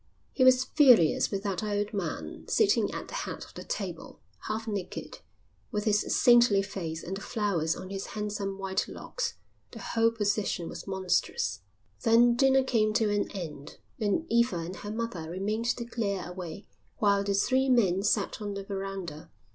He was furious with that old man, sitting at the head of the table, half naked, with his saintly face and the flowers on his handsome white locks. The whole position was monstrous. Then dinner came to an end, and Eva and her mother remained to clear away while the three men sat on the verandah.